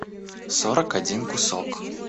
сорок один кусок